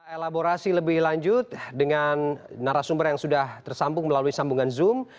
elaborasi lebih lanjut dengan narasumber yang sudah tersambung melalui sambungan zoom